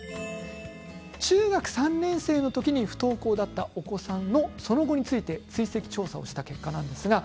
中学３年生の時に不登校だったお子さんのその後について追跡調査した結果です。